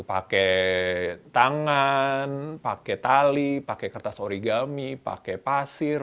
pakai tangan pakai tali pakai kertas origami pakai pasir